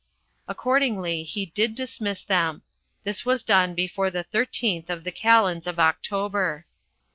Accordingly, he did dismiss them. This was done before the thirteenth of the calends of October."